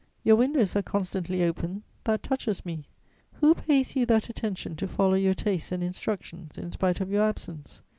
Your windows are constantly open, that touches me: who pays you that attention to follow your tastes and instructions, in spite of your absence?